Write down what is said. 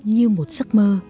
như một giấc mơ